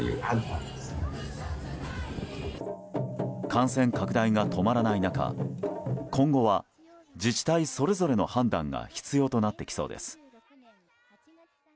感染拡大が止まらない中今後は、自治体それぞれの判断が必要となってきそうです。